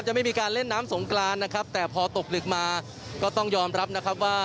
ไม่มีการเล่นน้ำสงกรานนะครับแต่พอตกดึกมาก็ต้องยอมรับนะครับว่า